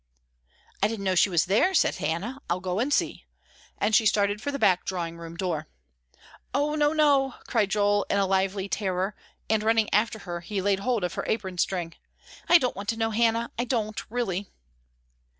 "I didn't know she was there," said Hannah, "I'll go and see," and she started for the back drawing room door. "Oh, no, no," cried Joel, in a lively terror, and running after her, he laid hold of her apron string; "I don't want to know, Hannah; I don't, really."